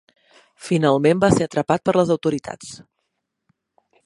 Finalment va ser atrapat per les autoritats.